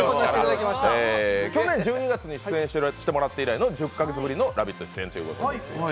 去年１２月に出演してもらって以来の１１か月ぶりの「ラヴィット！」出演ということで。